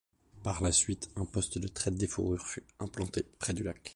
Par la suite, un poste de traite des fourrures fut implanté près du lac.